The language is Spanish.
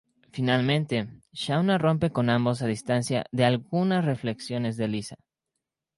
Finalmente, Shauna rompe con ambos a instancia de algunas reflexiones de Lisa.